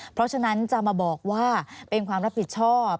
เพราะฉะนั้นจะมาบอกว่าเป็นความรับผิดชอบ